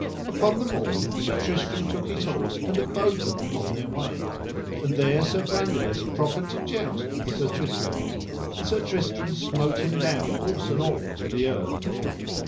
Upon the morn Sir Tristram took his horse and abode them upon their way. And there Sir Brandiles proffered to joust with Sir Tristram, and Sir Tristram smote him down, horse and all, to the earth.